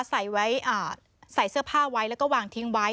ใส่เสื้อผ้าไว้และวางทิ้งไว้